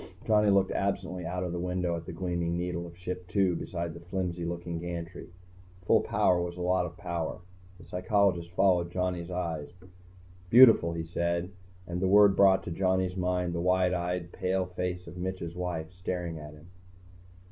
Johnny looked absently out the window at the gleaming needle of Ship II beside the flimsy looking gantry. Full power was a lot of power. The psychologist followed Johnny's eyes. "Beautiful," he said, and the word brought to Johnny's mind the wide eyed pale face of Mitch's wife, staring at him.